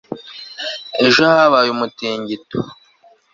ejo habaye umutingito